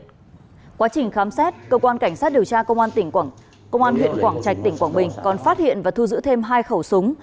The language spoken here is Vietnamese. trong quá trình khám sát cơ quan cảnh sát điều tra công an huyện quảng trạch tỉnh quảng bình còn phát hiện và thu giữ thêm hai khẩu súng